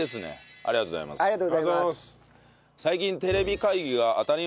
ありがとうございます。